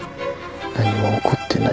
何も起こってない。